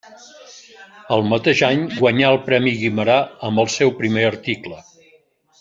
El mateix any guanyà el premi Guimerà amb el seu primer article.